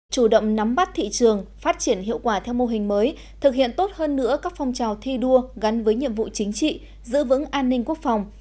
chủ động nắm bắt thị trường phát triển hiệu quả theo mô hình mới thực hiện tốt hơn nữa các phong trào thi đua gắn với nhiệm vụ chính trị giữ vững an ninh quốc phòng